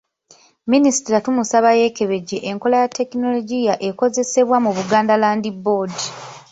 Minisita tumusaba yeekebejje enkola ya ttekinologiya akozesebwa mu Buganda Land Board.